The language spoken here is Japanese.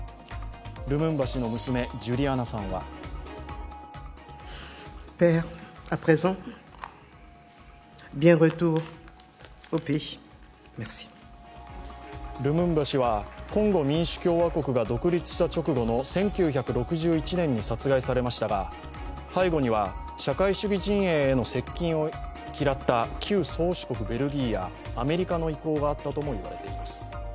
ルムンバ氏の娘・ジュリアナさんはルムンバ氏は、コンゴ民主共和国が独立した直後の１９６１年に殺害されましたが、背後には社会主義陣営への接近を嫌った旧宗主国・ベルギーやアメリカの意向があったとも言われています。